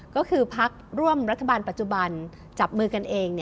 ก็คือพักร่วมรัฐบาลปัจจุบันจับมือกันเอง